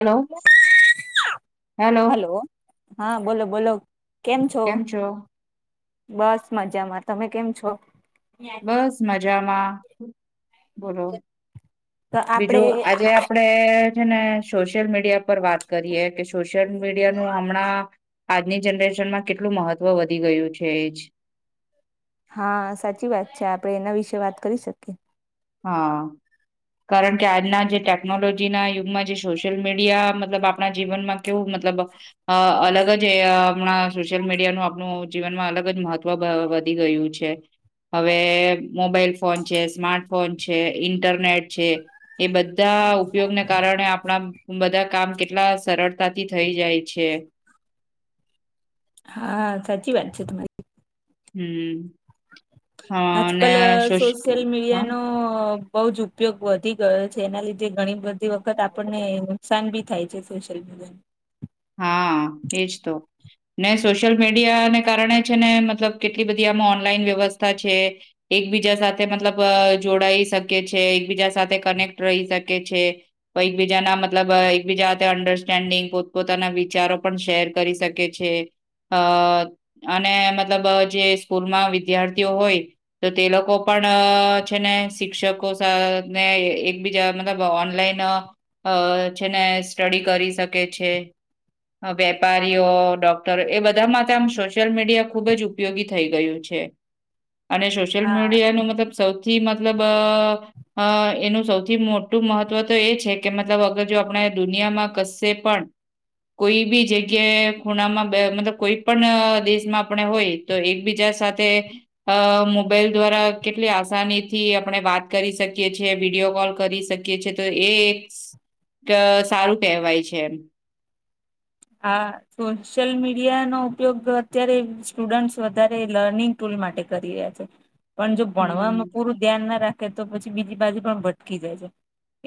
Hello hello hello. હા બોલો બોલો. કેમ છો? બસ મજામાં, તમે કેમ છો? બસ મજામાં. બોલો તો આપડે બીજું આજે આપ ડે છે ને સોશિયલ મીડિયા પર વાત કરીએ કે સોશિયલ મીડિયા નું હમણાં આજની જનરેશનમાં કેટલું મહત્વ વધી ગયું છે એજ. હા સાચી વાત છે આપડે એના વિશેે વાત કરી શકીએ. હા કારણ કે આજના જે ટેકનોલોજી ના યુગમાં જે સોસ શીયલ મીડિયા મતલબ આપણા જીવનમાં કેવું મતલબ અહ અહ અલગ જ એ અહ આપણા સોશિયલ મીડિયાનું આપણું જીવનમાં અલગ જ મહત્વ બ બદ ધી ગયું છે. હવે મોબાઈલ ફોન છે સ્માર્ટ ફોન છે, ઇન્ટરનેટ છે એ બધા ઉપયોગને કારણે આપડા હમ્મ બધા કામ કેટલા સરળતાથી થઇ જાય છે. હા, સાચી વાત છે તમારી. હમ્મ. અને આજકલ સોશ સોશિયલ હા, મીડિયાનો અહ બહુ જ ઉપયોગ વધી ગયો છે એના લીધે ઘણી બધી વખત આપણને નુકસાન ભી થાય છે. સોશલ મલ હા એજ તો. ને સોશિયલ મીડિયાને કારણે છે ને મતલબ કેટલી બધી આમ ઓનલાઈન વ્યવસ્થા છે. એકબીજા સાથે મતલબ અહ જોડાઈ શકે છે એકબીજા સાથે કનેક્ટ રહી શકે છે. તો એકબીજાના મતલબ અહ એકબીજા અંડરસ્ટેન્ડિંગ પો પોતાના વિચારો પણ શેર કરી શકે છે અહ અને મતલબ અહ જે સ્કૂલમાં વિદ્યાર્થીઓ હોય તો તે લોકો પણ છે ને શિક્ષકો ને એકબીજા મતલબ ઓનલાઈન છે ને સ્ટડી કરી શકે છે. વેપારીઓ ડોક્ટરો એ બધા માટેમાં આમ સોશિયલ મીડિયા ખુબ જ ઉપયોગી થઈ ગયું છે. અને સોશિયલ મીડિયા ન મતલબ સૌથી મતલબ અ અ એનું સૌથી મોટું મહત્ત્વ તો એ છે કે મતલબ અગર જો આપણા દુનિયામાં કશે પણ કોઈ બી જગ્યાએ ખૂણામાં બ મતલબ કોઈ પણ દેશમાં આપણે હોય તો એકબીજા સાથે અ મોબાઈલ દ્વારા કેટલી આસાનીથી આપણે વાત કરી શકીએ છીએ વિડીયો કોલ કરી શક કીયે છે તો એ એક સારું કહેવાય છે એમ આ. સોશિયલ મીડિયા નો ઉપયોગ અત્યારે સ્ટુડન્ટસ વધારે લર્નિંગ ટુલ માટે કરી રહ્યા છે. [inaudible] પણ જો હમ ભણવામાં પૂરું ધ્યાન ના રાખે તો પછી બીજી બાજુ પણ ભટકી જાય છે.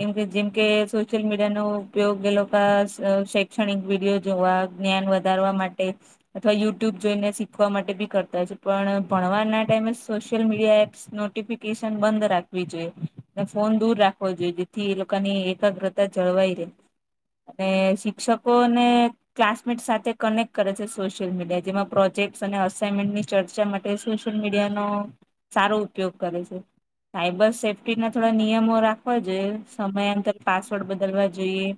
એમ કે જેમ કે સોશિયલ મીડિયા નો ઉપયોગ એેલો શે શૈક્ષણિક વિડીયો જોવા જ્ઞાન વધારવા માટે અથવા યુટ્યુબ જોઈને શીખવા માટે બી કરતા હોય છે પણ ભણવાના ટાઈમે સોશિયલ મીડિયા એપ્સ નોટિફિકેશન બંધ રાખવી જોઈએ ફોન દૂર રાખવો જોઈએ જેથી એ લોકોની એકાગ્રતા જળવાઈ રહેે અને શિક્ષકો ને કલાસમેટ સાથે કનેક્ટ કરે છે સોશિયલ મીડિયા જેમાં પ્રોજેક્ટ અને અસાઇનમેન્ટની ચર્ચા માટ સોશિયલ મીડિયાનો સારો ઉપયોગ કરે છે. સાયબર સેફ્ટી ના થોડા નિયમો રાખવા જોઈએ સમયાંતર પાસવર્ડ બદલવા જોઈએ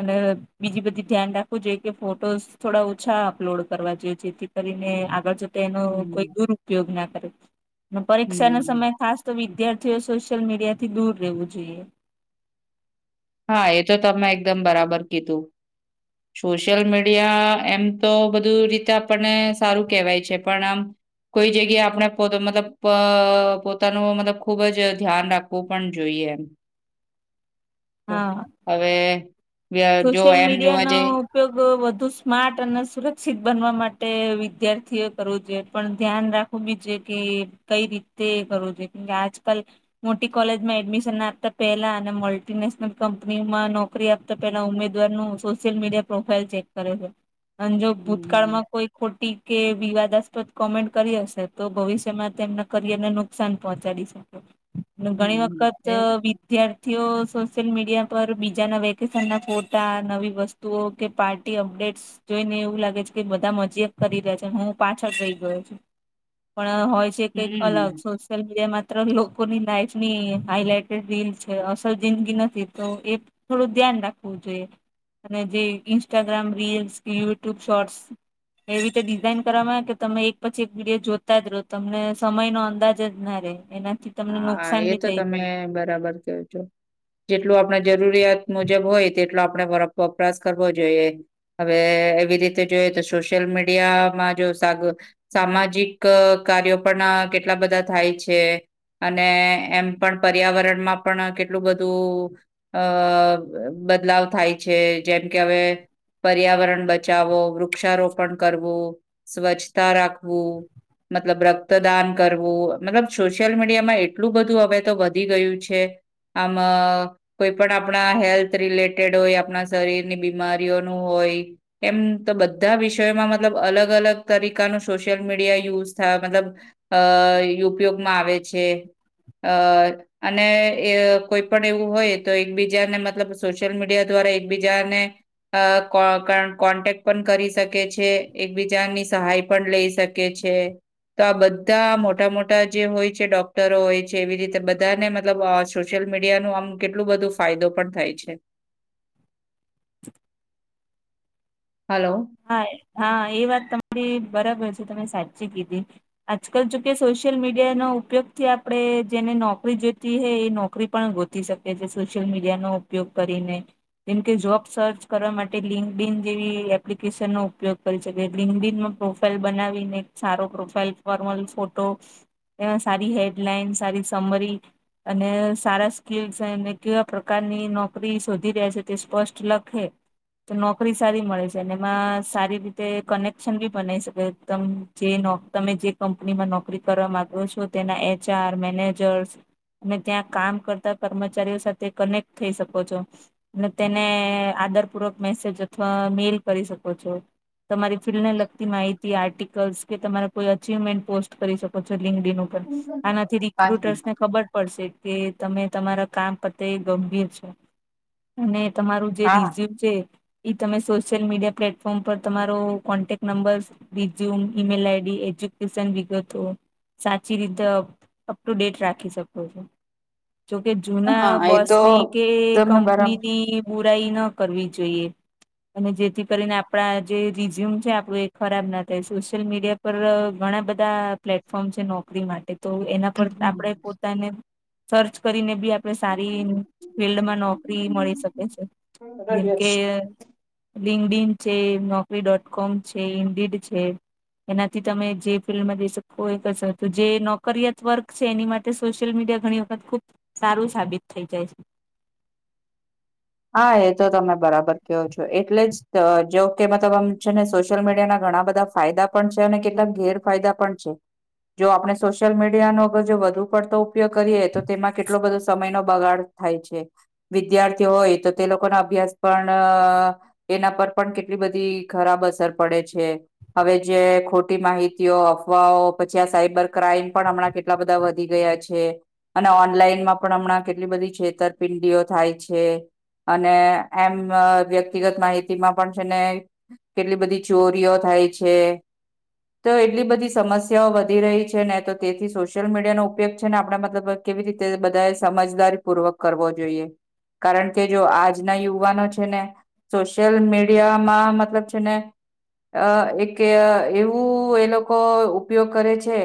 અને બીજી બધી ધ્યાન રાખ ખૂ જોઈએ કે ફોટોસ થોડા ઓછા અપલોડ કરવા જોઈએ જેથી કરીને આગળ કે એનો હમ કોઈ દુરુપયોગ ના કરે અને પરીક્ષા નો હમ સમય ખાસ ત વિદ્યાર્થીઓએ સોશિયલ મીડિયા થી દૂર રહેવું જોઈએ હા એ તો તમે એકદમ બરાબર કીધું સોશિયલ મીડિયા એમ તો બધું રીતે આપણને સારું કેવાય છે પણ આમ કોઈ જગ્યાએ આપણે પો મતલબ પોતાનું મતલબ ખુબ જ ધ્યાન રાખ કો પણ જોઈએ એમ હા ત હવે જો સોશિયલ એમ જોવા મીડિયાનો જઈ ઉપયોગ વધુ સ્માર્ટ અને સુરક્ષિત બનવા માટે વિદ્યાર્થીઓ કરવો જોઈએ પણ ધ્યાન રાખ ખૂબી જ કે કઈ રીતે કરવું જોયે કેમકે આજકાલ મોટી કોલેજમાં એડમિશન આપતા પેલા અને મલ્ટીનેશનલ કંપનીમાં નોકરી આપ તો પેલા ઉમેદવાર નું સોશિયલ મીડિયા પ્રોફાઈલ ચેક કરે છે અને જો હમ ભૂતકાળમાં કોઈ ખોટી કે વિવાદાસ્પદ કોમેન્ટ કરી હશે તો ભવિષ્યમાં તેમના કરિયર ને નુકસાન પહોંચાડી શક હમ ઘણી હમ, વખત એ વિદ્યાર્થીઓ સોશિયલ મીડિયા પર બીજાના વય કે ફના ફોટા નવી વસ્તુઓ કે પાર્ટી અપડેટ્સ જોઈને એવું લાગે છે કે બધા મજા જ કરી રહ્યા છે હું પાછળ રહી ગયો છું. પણ હોય છે કઈક અલગ હમ સોસ સોશલ મીડિયા માત્ર લોકોની લાઈફ ની હાઈલાઈટેડ રીલ છે અસલ જિંદગી નથી તો એ થોડુક. ધ્યાન રાખવું જોઈએ અને જે ઇન્સ્ટાગ્રામ રીલ્સ કે યુટ્યુબ શોર્ટ્સ એવી રીતે ડિઝાઇન કરવામાં આવે કે તમે એક પછી એક વિડીયો જોતા જ રહો તમને સમય નો અંદાજ જ ના રહે એનાથી તમને હા હા નુકસાન એ બી તો થઈ જાય તમે બરાબર કેવ છો. જેટલું આપણે જરૂરિયાત મુજબ હોય તેટલો આપણે વપરાશ કરવો જોઈએ હવે એવી રીતે જોઈ તો સોશિયલ મીડિયામાં જો સાગ સામાજિક કાર્યો પણ કેટલા બધા થાય છે. અને એમ પણ પર્યાવરણ માં પણ કેટલું બધું અ બદલાવ થાય છે જેમ કે હવે પર્યાવરણ બચાવો વૃક્ષારોપણ કરવું સ્વચ્છતા રાખવું. મતલબ રક્તદાન કરવું મતલબ છ સોશિયલ મીડિયામાં એટલું બધું હવે તો વધી ગયું છે આમ કોઈ પણ આપણા હેલ્થ રિલેટેડ હોય આપણા શરીરની બીમારીઓનું હોય. એમ તો બધા વિષયોમાં મતલબ અલગ અલગ તરીકાનું સોશિયલ મીડિયા યુઝ થાય મતલબ અ ઉપયોગમાં આવે છે અ અને કોઈ પણ એવું હોય તો એકબીજાને મતલબ સોશિયલ મીડિયા દ્વારા એકબીજાને અ કોન્ટેક્ટ પણ કરી શકે. છે એકબીજાની સહાય પણ લઈ શકે છે તો આ બધા મોટા મોટા જે હોય છે ડોક્ટરો હોય છે એવી રીતે બધાને મતલબ સોશિયલ મીડિયા નું આમ કેટલું બધું ફાયદો પણ થાય છે. [inaudible] હલો હા હા એ વાત તમારી બરાબર છે તમે સાચી કીધી. આજકાલ જોકે સોશિયલ મીડિયાનો ઉપયોગ થી આપણે જેને નોકરી જોઈતી હૈ એ નોકરી પણ ગોતે થી શકે છે સોશિયલ મીડિયા નો ઉપયોગ કરીને. જેમકે જોબ સર્ચ કરવા માટે લિંકઇન જેવી એપ એપ્લિકેશનનોો ઉપયોગ કરી શકે ગ્રીન બ્રીનમાં પ્રોફાાઈલ બનાવીને એક સારો પ્રોફાાઈલ ફોર્મલ ફોટો. એમાં સારી હેડલાઈન સારી સમરી અને સારા સ્કીલસ કેવા પ્રકારની નોકરી શોધી રહ્યા છે તે સ્પષ્ટ લખે. તો નોકરી સારી મળે છે. જેનેમાં સારી રીતે કનેક્શન બી બનાઈ શકે એકદમ જે તમે જે કંપનીમાં નોકરી કરવા ગ્યો છો તેના એચઆર મેનેજર્સ. તમે ત્યાં કામ કરતા કર્મચારીઓ સાથે કનેક્ટ થઈ શકો છો. અને તેને આધારપૂર્વક મેસેજ અથવા મેલ. કરી શકો છો તમારી ફિલ્ડને લગતી માહિતી આર્ટિકલ્ કે તમારા. કોઈ અચિવમેન્ટ પોસ્ટ કરી શકો છો લિંકડીન ઉપર આનાથી પાંચ રિક્રુટર્સ ને મિનિટ ખબર. પડશે કે તમે તમારા કામ પ્રતે ગંભીર છો. અને તમારું જે હા રીઝ્યુ છે એ તમે સો. સોશિયલ મીડિયા પ્લેટફોર્મ પર તમારો contact number resume email ID education વિગતો સાચી રીતે અપ ટુ ડેટ રાખી શકો છો. જોકે જૂના હા એ તો બસની કે તમે બરાબર કંપનીની બુરાઈ ન કરવી જોઈએ. અને જેથી કરીને આપણા જે રિઝ્યુમ છે આપડું એ ખરાબ ના થાય સોશિયલ મીડિયા. પર ઘણા બધા પ્લેટફોર્મ છે નોકરી માટે. તો એના પર આપણે પોતાને સર્ચ કરીને બી. આપ સારી ફિલ્ડમાં નોકરી મળી શકે છે જેમકે લિંકડઇન છે નોકરી ડોટ કોમ છે ઇન્ડિટ છે. એનાથી તમે જે ફિલ્ડમાં જઈ શકો એ કશ તો જે નોકરયત વર્ક છે એની માટે. તે સોશિયલ મીડિયા ઘણી વખત ખુબ સારું સાબિત થઈ જાય છે. હા એ તો તમે બરાબર કહો છો એટલે જ જો કે મતલબ આમ છે ને સોશિયલ મીડિયા ના ઘણા બધા. ફાયદા પણ છે અને કેટલાક ગેરફાયદા પણ છે. જો આપણે સોશિયલ મીડિયા નો અગર જો વધુ પડતો. ઉપયોગ કરીએ તો તેમાં કેટલો બધો સમય નો બગાડ થાય છે વિદ્યાર્થીઓ હોય. તો તે લોકો ના અભ્યાસ પણ. એના પર પણ કેટલી બધી ખરાબ અસર પડે છે. હવે જે ખોટી માહિતીઓ અફવાઓ પછી આ સાયબર ક્રાઈમ પણ હમણાં કેટલા. આટલા બધા વધી ગયા છે. અને ઓનલાઈનમાં પણ હમણાં કેટલી બધી છેતરપિંડીઓ થાય છે. અને એમ વ્યક્તિગત માહિતી માં પણ છે ને. કેટલી બધી ચોરીઓ થાય છે. તો એટલી બધી સમસ્યાઓ વધી રહી છે ને તો તેથી સોશિયલ મીડિયાનો ઉપયોગ છે ને આપણે મતલબ. કેવી રીતે બધા એ સમજદારી પૂર્વક કરવો જોઈએ કારણ કે. કે જો આજના યુવાનો છે ને સોશયલ મીડિયામાં મતલબ છેને. અ એક એવું એ લોકો ઉપયોગ કરે છે.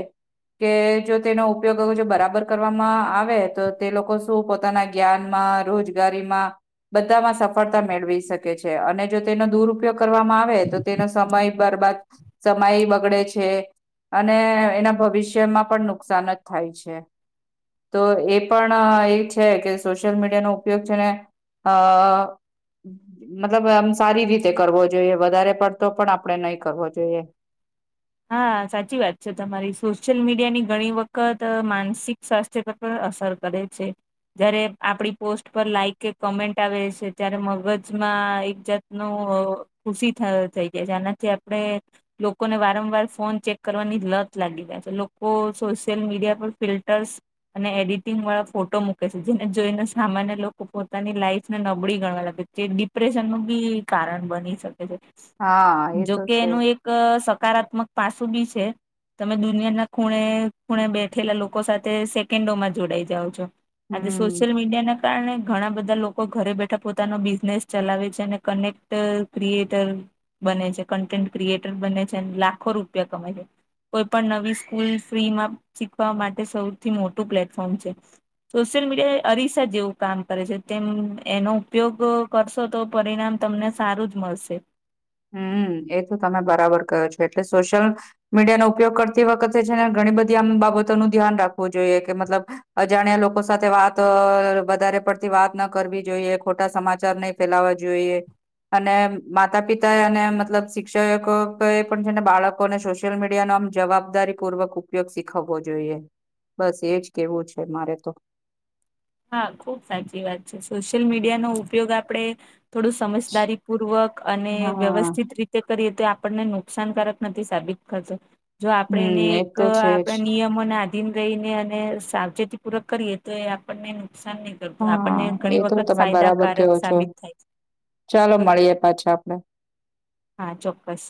કે જો તેનો ઉપયોગ જો બરાબર કરવામાં આવે તો તે લોકો શું પોતાના. જ્ઞાન માં રોજગારીમાં. બધામાં સફળતા મેળવી શકે છે અને જો તેનો દુરપયોગ કરવામાં આવે તો તેનો સમય બરબાદ. સમય બગડે છે. અને એના ભવિષ્યમાં પણ નુકસાન જ થાય છે. તો એ પણ એ છે કે સોશિયલ મીડિયા નો ઉપયોગ છે ને અ મતલબ આમ સારી રીતે કરવો જોઈએ વધારે પડ. તો પણ આપડણે નહી કરવો જોઈએ. હા સાચી વાત છે તમારી સોશિયલ મીડિયા ની ઘણી વખત માનસિક સ્વાસ્થ્ય. પર અસર કરે છે. જયારે આપડી પોસ્ટ પર લાઈક કે કમેન્ટ આવે છે ત્યારે મગજમાં એક જાત. નું ખુશી થઈ જાય છે આનાથી આપણે લોકોને વાત. વારંવાર ફોન ચેક કરવાની લત લાગી જય છે લોકો સોશિયલ મીડિયા પર ફિલ્ટર્સ. અને એડિટિંગ વાળા ફોટો મૂકે છે જેને જોઈને સામાન્ય લોકો પોતાની લાઈફને નબળી ગણવા લાગે છે. તે ડિપ્રેશન નું બી કારણ બની શકે છે. હા એ તો જોકે છે એનું જ એક સકારાત્મક પાસું બી છે. તમે દુનિયાના ખૂણે ખૂણે બેઠેલા લોકો સાથે સેકન્ડોમાં જોડાઈ જાઓ છો આજે હમ સોશિયલ મીડિયા ના કારણે ઘણા બધા લોકો ઘરે બેઠા પોતાનો બિઝનેસ ચલાવે છે અને કનેક્ટ ક્રિએટર બને છે કન્ટેન્ટ ક્રિએટર બને છે લાખો રૂપિયા કમાય છે કોઈ પણ નવી સ્કૂલ ફ્રીમાં શીખવા માટે સૌથી મોટું પ્લેટફોર્મ છે સોશિયલ મીડિયા એ અરીસા જેવું કામ કરે છે તેમ એનો ઉપયોગ કરશો તો પરિણામ તમને સારું જ મળશે હમ્મ એ તો તમે બરાબર કયો છો એટલે સોશિયલ મીડિયાનો ઉપયોગ કરતી વખતે છે ને ઘણી બધી આમ બાબતોનું ધ્યાન રાખવું જોઈએ કે મતલબ અજાણ્યા લોકો સાથે વાત વધારે પડતી વાત ના કરવી જોઈએ ખોટા સમાચાર નહી ફેલાવા જોઈએ અને માતા પિતા અને મતલબ શિક્ષકો ક એ પણ છે ને બાળકોને સોશિયલ મીડિયા ન આમ જવાબદારી પૂર્વક ઉપયોગ શીખવવો જોઈએ બસ એજ કેવું છે મારે તો હા ખુબ સાચી વાત છે સોશિયલ મીડિયા નો ઉપયોગ આપડે થોડું સમજદારી પૂર્વક અને હા વ્યવસ્થિત રીતે કરીએ તો આપણને નુકસાનકારક નથી સાબિત કરતો જો આપણે એને હમ એ એક તો છે આપણે જ નિયમ મને આધીન રઈ ને અને સાવચેતી પૂરક કરીએ તો એ આપણને નુકસાન નહી હા આપણને એ ઘણી તો વખત તમે બરાબર ફાયદાકારક કહો છો સાબિત થાય છે ચાલો મળીએે પાછા આપડે હા ચોક્કસ